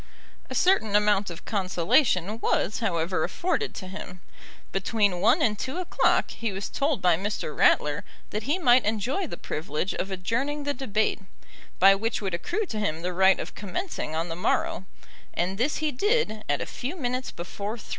A certain amount of consolation was, however, afforded to him. Between one and two o'clock he was told by Mr. Ratler that he might enjoy the privilege of adjourning the debate, by which would accrue to him the right of commencing on the morrow, and this he did at a few minutes before three.